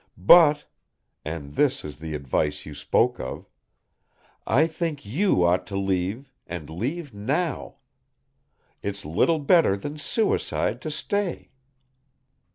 But and this is the advice you spoke of! I think you ought to leave and leave now. It's little better than suicide to stay."